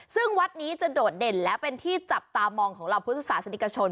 ซึ่งวัดนี้จะโดดเด่นและเป็นที่จับตามองของเหล่าพุทธศาสนิกชน